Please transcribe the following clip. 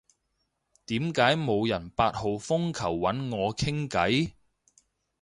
點解冇人八號風球搵我傾偈？